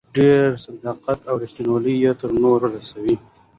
په ډېر صداقت او ريښتينوالۍ يې تر نورو رسوي.